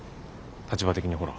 立場的にほら。